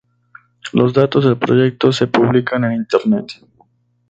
Los datos del proyecto se publican en Internet.